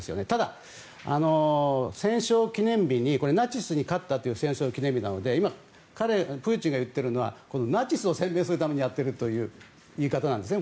ただ、戦勝記念日にナチスに勝ったという戦勝記念日なのでプーチンがやっているのはナチスを喧伝するという言い方なんですね